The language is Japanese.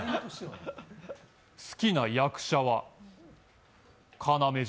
好きな役者は、要潤。